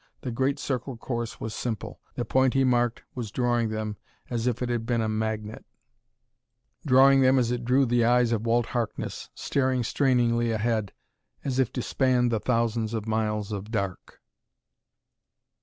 The great circle course was simple; the point he marked was drawing them as if it had been a magnet drawing them as it drew the eyes of Walt Harkness, staring strainingly ahead as if to span the thousands of miles of dark.